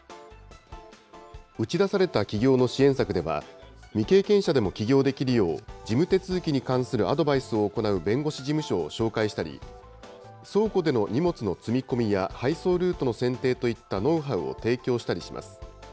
打ち出された起業の支援策では、未経験者でも起業できるよう事務手続きに関するアドバイスを行う弁護士事務所を紹介したり、倉庫での荷物の積み込みや配送ルートの選定といったノウハウを提供したりします。